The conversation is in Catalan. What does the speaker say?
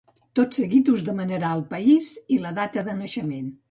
Tot seguit us demanarà el país i la data de naixement.